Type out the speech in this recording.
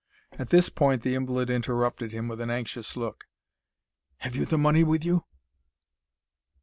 At this point the invalid interrupted him with an anxious look. "Have you the money with you?"